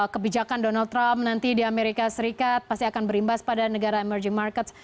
kebijakan donald trump nanti di amerika serikat pasti akan berimbas pada negara emerging markets